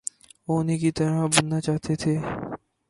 وہ انہی کی طرح بننا چاہتے تھے۔